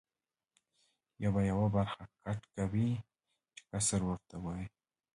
یا به یوه برخه کټ کوې چې قصر ورته وایي.